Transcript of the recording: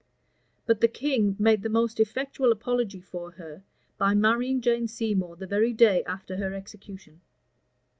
But the king made the most effectual apology for her, by marrying Jane Seymour the very day after her execution.